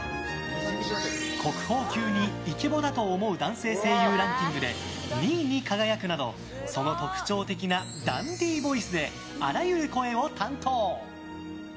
国宝級にイケボだと思う男性声優ランキングで２位に輝くなどその特徴的なダンディーボイスであらゆる声を担当。